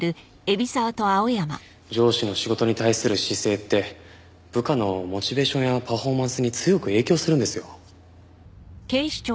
上司の仕事に対する姿勢って部下のモチベーションやパフォーマンスに強く影響するんですよ。